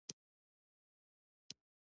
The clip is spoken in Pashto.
ټولو خلکو په سیاست کې برابره ونډه نه لرله